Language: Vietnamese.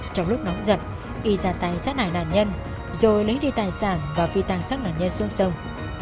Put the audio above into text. trong lúc nóng giật y ra tay sát nải nạn nhân rồi lấy đi tài sản và phi tang sát nạn nhân xuống sông